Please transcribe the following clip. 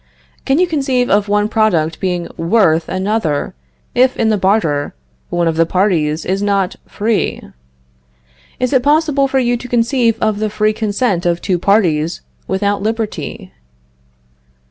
Can you conceive of one product being worth another, if, in the barter, one of the parties is not free? Is it possible for you to conceive of the free consent of two parties without liberty?